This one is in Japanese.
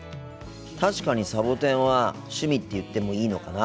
確かにサボテンは趣味って言ってもいいのかな。